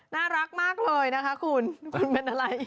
น่ารักมากเลยคุณมันอะไร